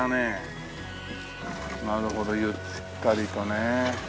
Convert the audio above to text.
なるほどゆったりとね。